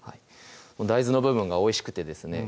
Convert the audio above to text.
うん大豆の部分がおいしくてですね